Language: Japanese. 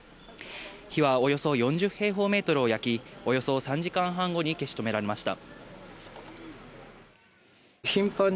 火はおよそ４０平方メートルを焼き、およそ３時間半後に消し止められました。